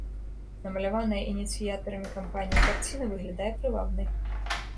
Намаляваная ініцыятарамі кампаніі карціна выглядае прывабнай.